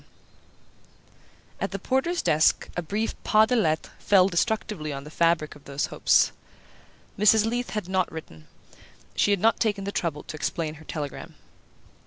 V At the porter's desk a brief "Pas de lettres" fell destructively on the fabric of these hopes. Mrs. Leath had not written she had not taken the trouble to explain her telegram.